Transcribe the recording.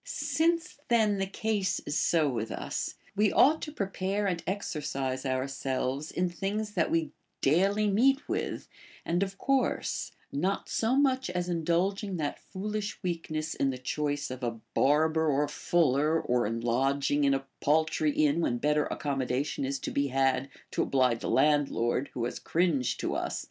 Since then the case is so with us, we ought to prepare and exercise ourselves in things that we daily meet with and of course, not so much as indulging that foolish weakness in the choice of a bar ber or fuller, or in lodging in a paltry inn Avhen better accommodation is to be had, to oblige the landlord who has cringed to us.